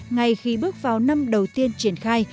ngay khi bước vào năm đầu tiên triển khai